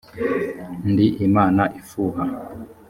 ndi imana ifuha,